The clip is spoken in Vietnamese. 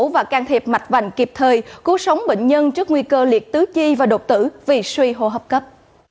và can thiệp mạch vành kịp thời cứu sống bệnh nhân trước nguy cơ liệt tứ chi và đột tử vì suy hô hấp cấp